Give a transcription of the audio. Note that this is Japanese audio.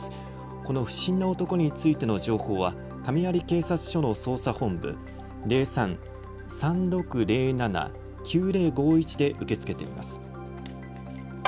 この不審な男についての情報は亀有警察署の捜査本部、０３−３６０７−９０５１で受け付けています。